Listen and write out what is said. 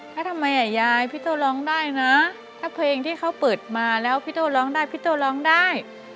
ถ้าทำไมยายพี่โต้ร้องได้นะถ้าเพลงที่เขาเปิดมาแล้วพี่โต้ร้องได้พี่โต้ร้องได้